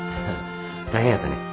大変やったね。